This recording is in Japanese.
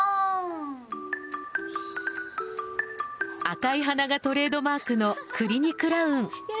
赤い鼻がトレードマークのクリニクラウン。